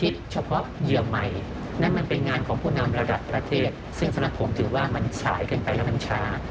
ซึ่งสำหรับผมถือว่ามันสายกันไปแล้วมันช้า